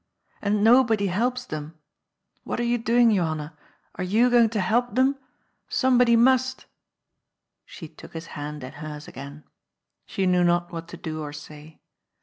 And nobody helps them. What are you doing, Johanna? Are you going to help them ? Somebody must I '* She took his hand in hers again. She knew not what to do or say.